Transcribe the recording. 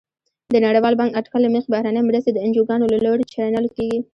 د نړیوال بانک اټکل له مخې بهرنۍ مرستې د انجوګانو له لوري چینل کیږي.